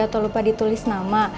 atau lupa ditulis nama